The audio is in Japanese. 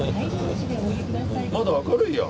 まだ明るいや。